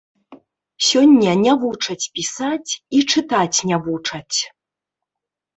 Сёння не вучаць пісаць, і чытаць не вучаць.